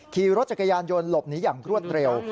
ขี่รถจักรยานยนต์หลบหนีอย่างรวดเร็ว